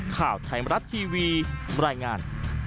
ข่าวไทยมรัฐทีวีบรรยายงาน